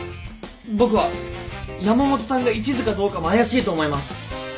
僕は山本さんがいちずかどうかも怪しいと思います。